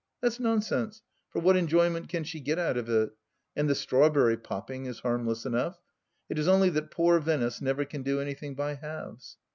That's nonsense, for what enjoyment can she get out of it ? And the strawberry popping is harmless enough. It is only that poor Venice never can do anything by halves.